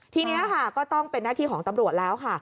ทีนี้ค่ะก็ต้องเป็นหน้าที่ของตำรวจแล้วค่ะ